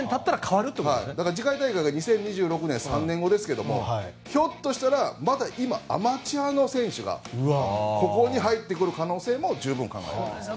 次回大会は２０２６年３年後ですけどひょっとしたら今、アマチュアの選手がここに入ってくる可能性も十分考えられます。